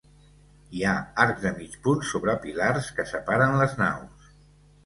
Hi ha arcs de mig punt sobre pilars, que separen les naus.